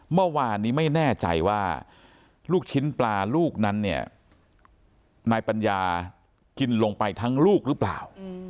เมื่อวานนี้ไม่แน่ใจว่าลูกชิ้นปลาลูกนั้นเนี่ยนายปัญญากินลงไปทั้งลูกหรือเปล่า